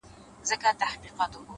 • وزیر وویل زما سر ته دي امان وي,